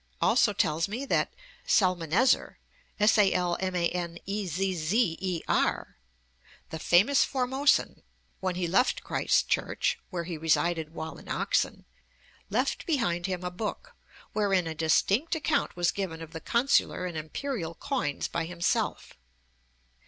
also tells me that Salmanezzer, the famous Formosan, when he left Christ Church (where he resided while in Oxon) left behind him a Book in MSt., wherein a distinct acct was given of the Consular and Imperial coyns by himself.'